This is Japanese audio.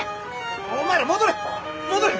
お前ら戻れ戻れ！